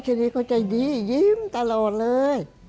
ใจดีก็ใจดียิ้มตลอดเลย